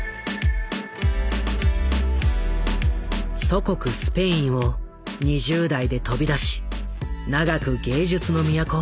祖国スペインを２０代で飛び出し長く芸術の都